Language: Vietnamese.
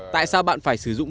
tại sao bạn phải sử dụng